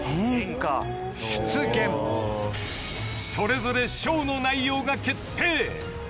［それぞれショーの内容が決定］